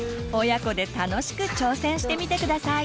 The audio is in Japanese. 親子で楽しく挑戦してみて下さい！